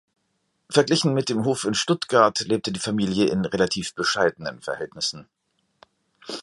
Verglichen mit dem Hof in Stuttgart lebte die Familie in relativ bescheidenen Verhältnissen.